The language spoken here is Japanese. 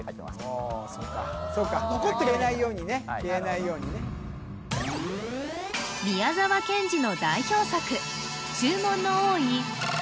おおそっかそっか消えないようにね消えないようにね宮沢賢治の代表作「注文の多い○○」